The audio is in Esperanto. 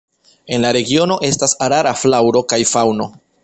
En la regiono estas rara flaŭro kaj faŭno.